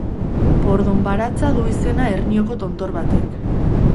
"Pordonbaratza" du izena Hernioko tontor batek.